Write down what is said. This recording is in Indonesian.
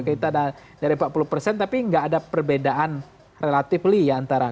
kita ada dari empat puluh tapi nggak ada perbedaan relatif kayak antara satu dua tiga